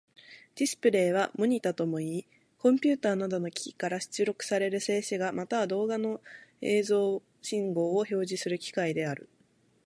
ディスプレイはモニタともいい、コンピュータなどの機器から出力される静止画、または動画の映像信号を表示する機器である。